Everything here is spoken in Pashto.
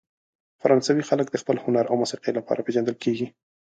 فرانسوي خلک د خپل هنر او موسیقۍ لپاره پېژندل کیږي.